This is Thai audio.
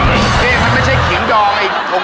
นี่ค่ะไอ้นี่ไม่ใช่เขียนดองเนี่ยโทม